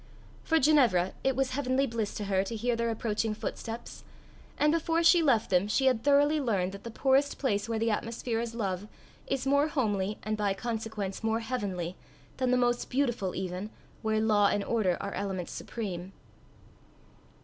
For Ginevra, it was heavenly bliss to her to hear their approaching footsteps; and before she left them she had thoroughly learned that the poorest place where the atmosphere is love, is more homely, and by consequence more heavenly, than the most beautiful even, where law and order are elements supreme.